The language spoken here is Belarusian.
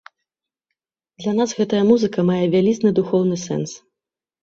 Для нас гэтая музыка мае вялізны духоўны сэнс.